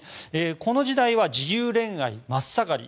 この時代は自由恋愛真っ盛り。